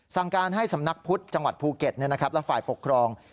สั่งการให้สำนักพุทธจังหวัดภูเก็ตและฝ่ายปกครอง